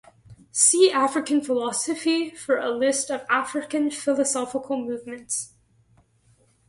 See African philosophy for a list of African philosophical movements.